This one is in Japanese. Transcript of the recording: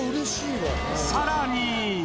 さらに。